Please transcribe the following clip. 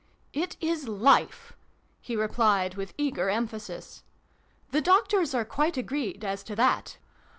" It is Life !" he replied with eager emphasis. " The doctors are quite agreed as to that.